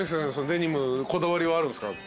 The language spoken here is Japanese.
デニムこだわりはあるんですか？